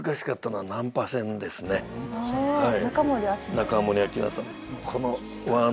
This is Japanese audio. はい。